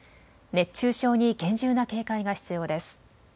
熱中症に厳重な警戒が必要です。